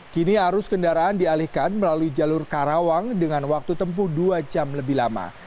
kini arus kendaraan dialihkan melalui jalur karawang dengan waktu tempuh dua jam lebih lama